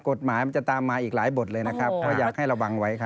กฎหมายมันจะตามมาอีกหลายบทเลยนะครับเพราะอยากให้ระวังไว้ครับ